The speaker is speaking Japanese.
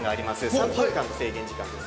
３分間の制限時間です。